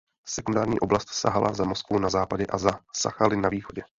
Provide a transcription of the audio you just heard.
Sekundární oblast sahala za Moskvu na západě a za Sachalin na východě.